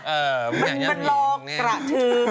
เอ่อไม่น่าจะคิดอะไรเลยเป็นลองกระทึก